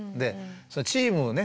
チームね